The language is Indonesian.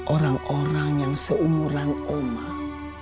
orang orang yang seumuran omah